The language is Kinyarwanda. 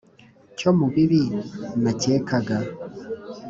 Cyo mu bibi nakekaga